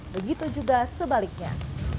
begitu juga sebaliknya